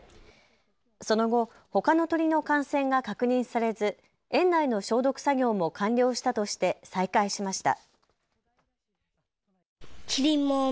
その後、ほかの鳥の感染が確認されず園内の消毒作業も完了したとして再開しました。